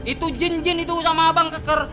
itu jin jin itu sama bang keker